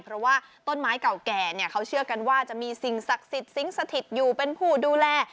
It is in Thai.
เพราะว่าต้นไม้เก่าแก่เนี่ยเขาเชื่อกันว่าจะมีสิ่งศักดิ์สิทธิ์สิงสถิตอยู่เป็นผู้ดูแล